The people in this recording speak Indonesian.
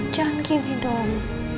jangan gini dong